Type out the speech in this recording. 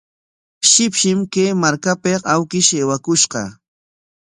Shipshim kay markapik awkish aywakushqa.